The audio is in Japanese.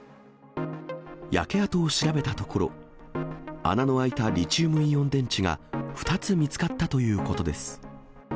焼け跡を調べたところ、穴の開いたリチウムイオン電池が２つ見つかったということです。